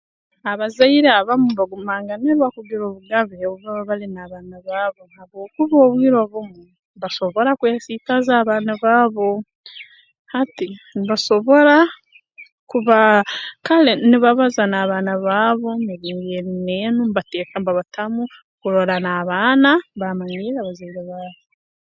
Abazaire abamu bagumanganirwa kugira obugabe obu baba bali n'abaana baabo habwokuba obwire obumu basobora kwesiitaza abaana baabo hati mbasobora kubaa kale nibabaza n'abaana baabo mu ngeri enu n'enu niba mbabatamu kurora n'abaana baamanyiira bazaire baabo